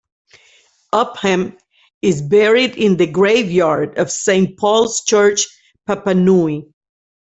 Upham is buried in the graveyard of Saint Paul's Church Papanui.